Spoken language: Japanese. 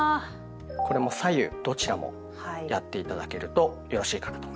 これも左右どちらもやって頂けるとよろしいかなと思います。